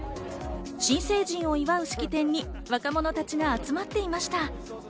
新成人を祝う式典に若者たちが集まっていました。